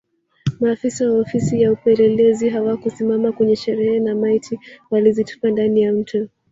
Maafisa wa Ofisi ya Upelelezi hawakusimama kwenye sherehe na maiti walizitupa ndani ya Mto